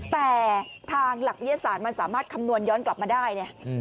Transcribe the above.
แต่ทางหลักวิทยาศาสตร์มันสามารถคำนวณย้อนกลับมาได้ไง